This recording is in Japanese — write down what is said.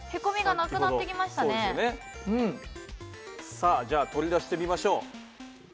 さあじゃあ取り出してみましょう。